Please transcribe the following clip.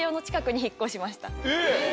えっ！